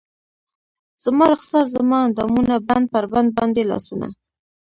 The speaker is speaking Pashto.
زما رخسار زما اندامونه بند پر بند باندې لاسونه